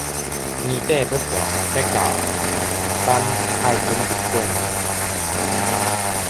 年底欲到矣，咱愛準備過年矣